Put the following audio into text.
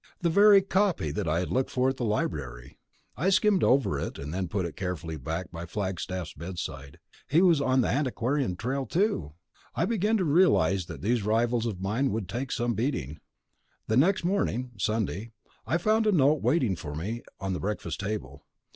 the very copy that I had looked for at the Library. I skimmed over it and then put it carefully back by Falstaff's bedside. Was he on the antiquarian trail, too? I began to realize that these rivals of mine would take some beating. The next morning (Sunday) I found a note waiting for me on the breakfast table.